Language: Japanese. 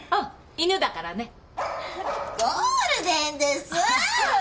ゴールデンですもう。